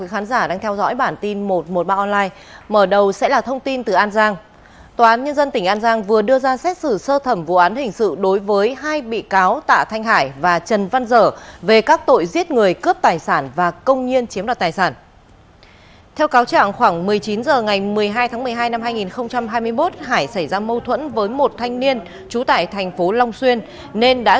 hãy đăng ký kênh để ủng hộ kênh của chúng mình nhé